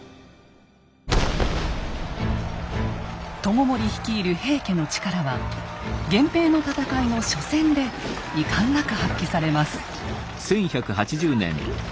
知盛率いる平家の力は源平の戦いの初戦で遺憾なく発揮されます。